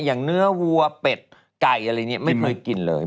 อย่างเนื้อวัวเป็ดไก่อะไรเนี่ยไม่เคยกินเลย